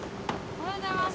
おはようございます。